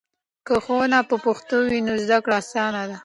که ښوونه په پښتو وي نو زده کړه اسانه ده.